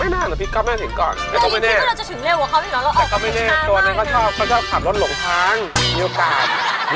ไม่น่าว่าพี่ก๊อฟนี่มาถึงก่อน